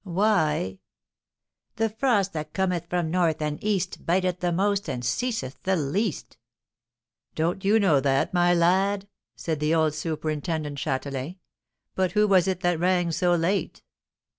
"Why, 'The frost that cometh from North and East Biteth the most and ceaseth the least.' Don't you know that, my lad?" said the old superintendent Châtelain. "But who was it that rang so late?"